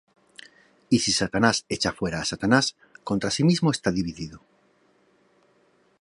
Y si Satanás echa fuera á Satanás, contra sí mismo está dividido;